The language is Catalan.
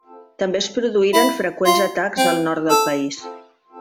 També es produïren freqüents atacs al nord del país.